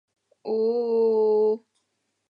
おおおおお